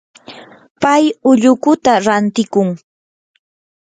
pay ullukuta rantiykun.